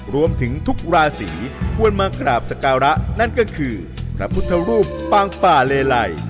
รวมถึงทุกราศีควรมากราบสการะนั่นก็คือพระพุทธรูปปางป่าเลไล